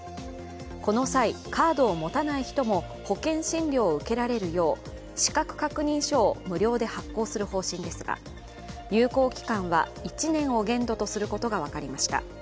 この際、カードを持たない人も保険診療を受けられるよう資格確認書を無料で発行する方針ですが有効期間は１年を限度とすることが分かりました。